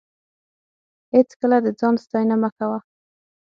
هېڅکله د ځان ستاینه مه کوه.